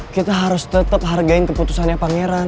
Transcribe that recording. kita harus tetap hargain keputusannya pangeran